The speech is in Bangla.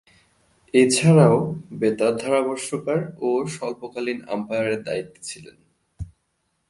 এছাড়াও, বেতার ধারাভাষ্যকার ও স্বল্পকালীন আম্পায়ারের দায়িত্বে ছিলেন।